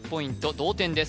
同点です